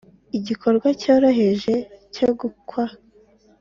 igikorwa cyoroheje cyo gukwa